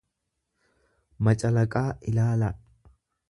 macalaqaa ilaalaa.